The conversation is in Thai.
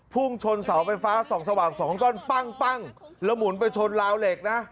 พุ่งชนเสาไฟฟ้าส่องสว่างสองต้นปั้งแล้วหมุนไปชนราวเหล็กนะ